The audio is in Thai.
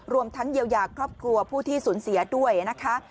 รวมทั้งเยียวยาครอบครัวผู้ที่สูญเสียด้วยนะคะ